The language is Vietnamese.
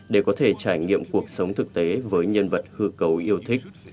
để có thể trải nghiệm cuộc sống thực tế với nhân vật hư cầu yêu thích